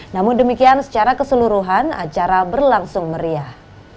namun demikian secara keseluruhan acara berlangsung meriah